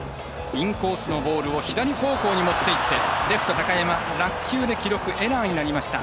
インコースのボールを左方向に持っていってレフト、高山落球で記録エラーになりました。